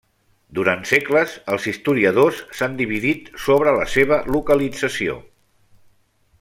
Durant segles els historiadors s'han dividit sobre la seva localització.